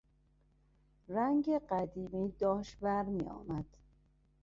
رنگ قدیمی داشت ور میآمد.